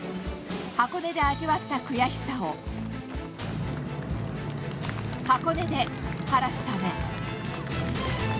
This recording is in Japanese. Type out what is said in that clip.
箱根で味わった悔しさを箱根で晴らすため。